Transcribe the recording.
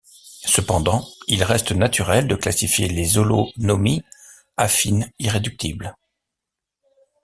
Cependant, il reste naturel de classifier les holonomies affines irréductibles.